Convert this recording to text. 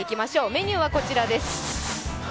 メニューはこちらです。